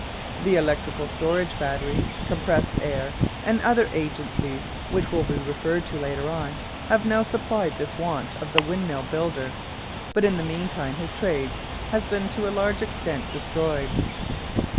The electrical storage battery, compressed air, and other agencies which will be referred to later on, have now supplied this want of the windmill builder, but in the meantime his trade has been to a large extent destroyed.